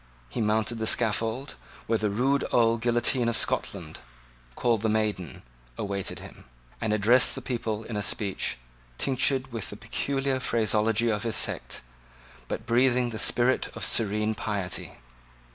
He mounted the scaffold, where the rude old guillotine of Scotland, called the Maiden, awaited him, and addressed the people in a speech, tinctured with the peculiar phraseology of his sect, but breathing the spirit of serene piety.